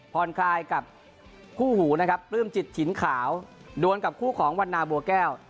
คลายกับคู่หูนะครับปลื้มจิตถิ่นขาวดวนกับคู่ของวันนาบัวแก้ว